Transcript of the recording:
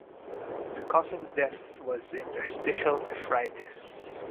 The cause of death was interstitial nephritis.